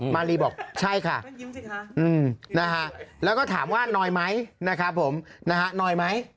มารีบอกใช่ค่ะนะฮะแล้วก็ถามว่าน้อยไหมนะครับผมนะฮะนอยไหม